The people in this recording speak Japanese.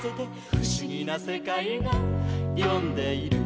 「ふしぎなせかいがよんでいる」